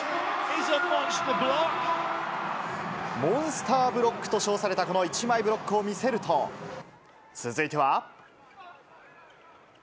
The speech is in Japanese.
モンスターブロックと称された、この一枚ブロックを見せると、続いては。